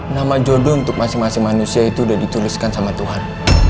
nama jodoh untuk masing masing manusia itu sudah dituliskan sama tuhan